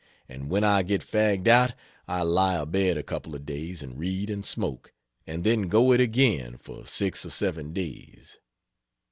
And when I get fagged out, I lie abed a couple of days and read and smoke, and then go it again for 6 or 7 days.